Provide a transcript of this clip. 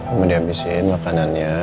om dihabisin makanannya